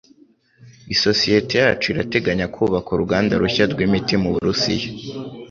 Isosiyete yacu irateganya kubaka uruganda rushya rw’imiti mu Burusiya